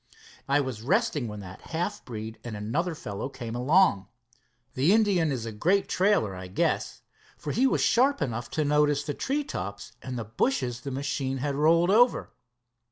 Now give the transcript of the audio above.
"I was resting when that half breed and another fellow came along. The Indian is a great trailer, I guess, for he was sharp enough to notice the tree tops and the bushes the machine had rolled over.